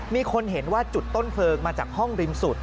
มีคนเห็นว่าจุดต้นเพลิงมาจากห้องริมสุด